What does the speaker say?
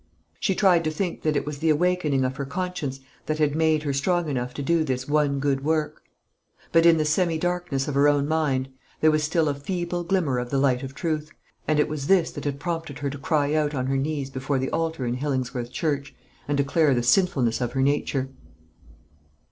She tried to think that it was the awakening of her conscience that had made her strong enough to do this one good work; but in the semi darkness of her own mind there was still a feeble glimmer of the light of truth, and it was this that had prompted her to cry out on her knees before the altar in Hillingsworth church, and declare the sinfulness of her nature.